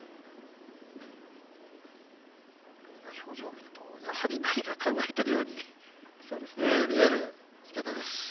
表情を見ると何か考えているように見える池田です。